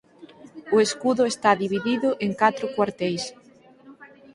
O escudo está dividido en catro cuarteis.